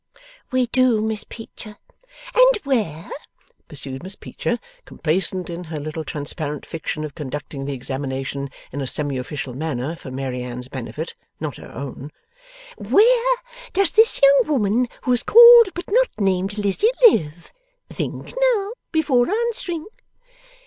'We do, Miss Peecher.' 'And where,' pursued Miss Peecher, complacent in her little transparent fiction of conducting the examination in a semiofficial manner for Mary Anne's benefit, not her own, 'where does this young woman, who is called but not named Lizzie, live? Think, now, before answering.